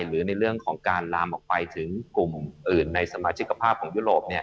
หรือในเรื่องของการลามออกไปถึงกลุ่มอื่นในสมาชิกภาพของยุโรป